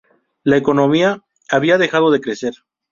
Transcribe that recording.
La economía había dejado de crecer.